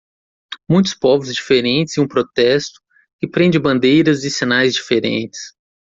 Muitos povos diferentes em um protesto que prende bandeiras e sinais diferentes.